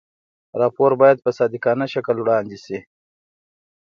راپور باید په صادقانه شکل وړاندې شي.